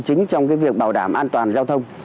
chính trong cái việc bảo đảm an toàn giao thông